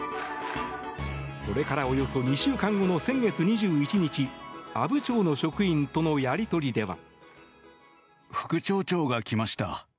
それからおよそ２週間後の先月２１日阿武町の職員とのやり取りでは。